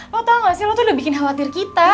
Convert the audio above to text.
lo tahu gak sih lo tuh udah bikin khawatir kita